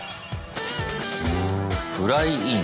「フライイン」。